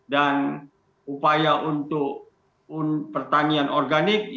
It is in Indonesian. dan upaya untuk pertanian organik